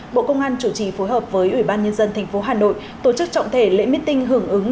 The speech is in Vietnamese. bộ công an chủ trì phối hợp với ủy ban nhân dân tp hà nội tổ chức trọng thể lễ meeting hưởng ứng